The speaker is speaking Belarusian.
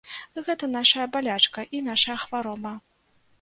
Гэта нашая балячка і нашая хвароба.